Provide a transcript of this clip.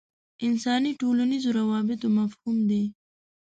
انساني ټولنیزو روابطو مفهوم دی.